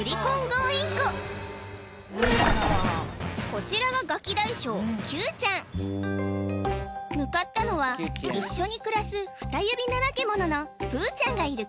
こちらがガキ大将キューちゃん向かったのは一緒に暮らすフタユビナマケモノのぷーちゃんがいる